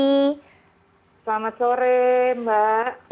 selamat sore mbak